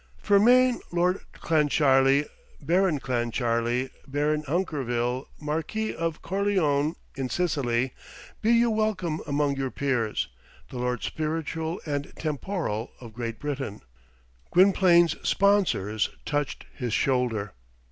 "Fermain Lord Clancharlie, Baron Clancharlie, Baron Hunkerville, Marquis of Corleone in Sicily, be you welcome among your peers, the lords spiritual and temporal of Great Britain." Gwynplaine's sponsors touched his shoulder.